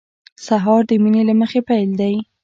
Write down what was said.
سهار د مینې له مخې پیل دی.